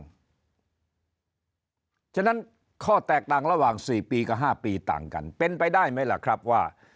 เพราะฉะนั้นข้อแตกต่างระหว่าง๔ปีกับ๕ปีต่างกันเป็นไปได้ไหมล่ะครับว่า